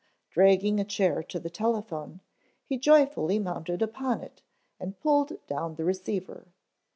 Dragging a chair to the telephone he joyfully mounted upon it and pulled down the receiver.